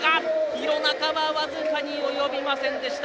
弘中は僅かに及びませんでした。